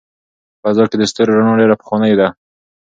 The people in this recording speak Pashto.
په فضا کې د ستورو رڼا ډېره پخوانۍ ده.